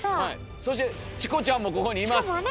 そしてチコちゃんもここにいます。